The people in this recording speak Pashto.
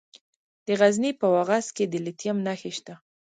د غزني په واغظ کې د لیتیم نښې شته.